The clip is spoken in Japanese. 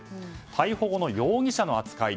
逮捕後の容疑者の扱い